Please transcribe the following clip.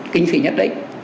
kinh phí nhất đích